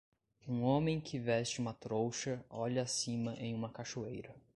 Um homem que veste uma trouxa olha acima em uma cachoeira.